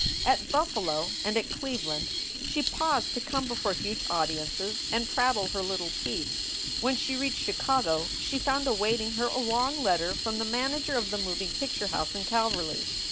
At Buffalo and at Cleveland she paused to come before huge audiences and prattle her little piece. When she SOULS FOR SALE 391 reached Chicago she found awaiting her a long letter from the manager of the moving picture house in Calverly.